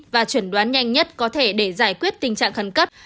và chuẩn đoán nhanh nhất có thể để giải quyết tình trạng khẩn cấp